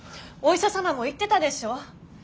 お医者様も言ってたでしょ？